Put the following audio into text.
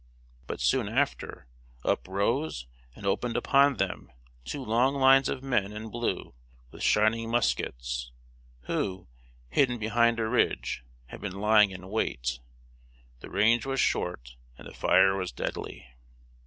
But soon after, up rose and opened upon them two long lines of men in blue, with shining muskets, who, hidden behind a ridge, had been lying in wait. The range was short, and the fire was deadly.